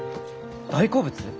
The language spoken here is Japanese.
大好物？